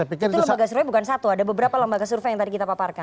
itu lembaga survei bukan satu ada beberapa lembaga survei yang tadi kita paparkan